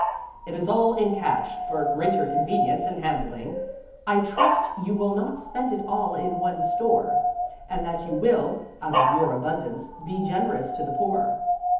It is all in cash, for greater convenience in handling. I trust you will not spend it all in one store, and that you will, out of your abundance, be generous to the poor.